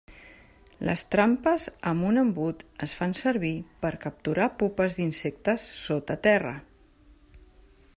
Les trampes amb un embut es fan servir per capturar pupes d'insectes sota terra.